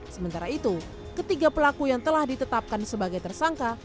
sementara itu ketiga pelaku yang telah ditetapkan sebagai tersangka